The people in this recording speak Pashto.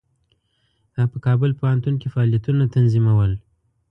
هغه په کابل پوهنتون کې فعالیتونه تنظیمول.